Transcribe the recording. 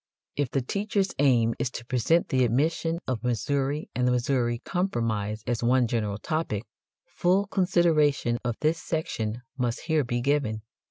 If the teacher's aim is to present the admission of Missouri and the Missouri Compromise as one general topic, full consideration of this section must here be given.